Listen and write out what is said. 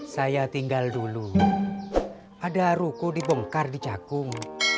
saya tinggal dulu ada ruko dibongkar di cakung